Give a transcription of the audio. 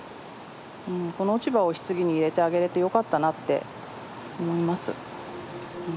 この落ち葉を棺に入れてあげられてよかったなって思います。